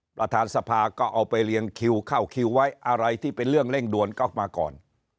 ประธานสภาก็เอาไปเรียงคิวเข้าคิวไว้อะไรที่เป็นเรื่องเร่งด่วนก็มาก่อน